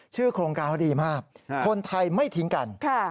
ชื่อโครงการดีมากคนไทยไม่ทิ้งกัน